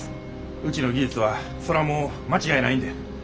うちの技術はそらもう間違いないんで。